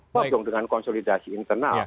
bokong dengan konsolidasi internal